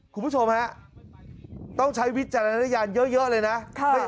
คุณผู้ชมฮะต้องใช้วิจารณญาณเยอะเลยนะ